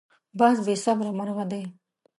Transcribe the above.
باز بې صبره مرغه دی